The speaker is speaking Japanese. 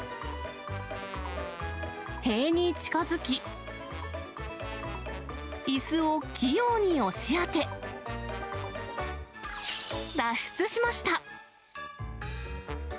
塀に近づき、いすを器用に押し当て、脱出しました。